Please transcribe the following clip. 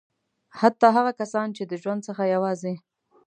حتی هغه کسان چې د ژوند څخه یې یوازې.